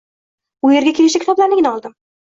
Bu yerga kelishda kitoblarnigina oldim